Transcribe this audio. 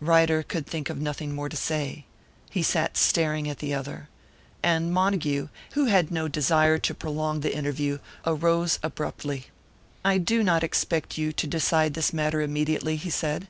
Ryder could think of nothing more to say. He sat staring at the other. And Montague, who had no desire to prolong the interview, arose abruptly. "I do not expect you to decide this matter immediately," he said.